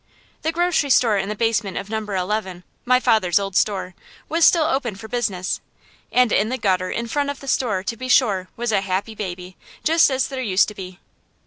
The grocery store in the basement of Number 11 my father's old store was still open for business; and in the gutter in front of the store, to be sure, was a happy baby, just as there used to be.